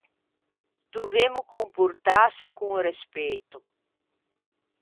Dovemmo comportâse con respetto.